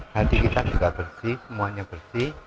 hati kita juga bersih semuanya bersih